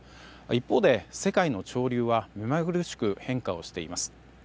一方で世界の潮流は目まぐるしく変化をしています。